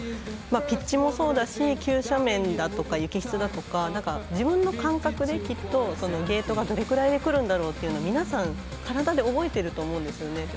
ピッチもそうだし急斜面だとか雪質だとか自分の感覚できっと、ゲートがどれぐらいでくるんだろうって皆さん、体で覚えてると思うんですよね。